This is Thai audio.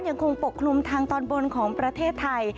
ยังคงปกคลุมทางตอนบนของประเทศไทย